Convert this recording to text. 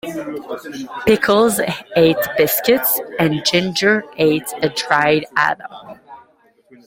Pickles ate biscuits and Ginger ate a dried haddock.